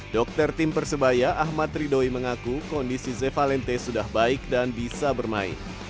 dokter tim persebaya ahmad ridoi mengaku kondisi ze valente sudah baik dan bisa bermain